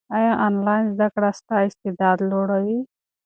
ایا انلاین زده کړه ستا استعداد لوړوي؟